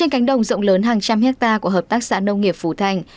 trên cánh đồng rộng lớn hàng trăm hecta của hợp tác xã nông nghiệp phủ thành